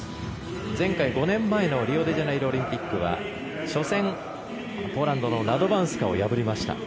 前回５年前のリオデジャネイロオリンピックは初戦、ポーランドのラドバンスカを破りました。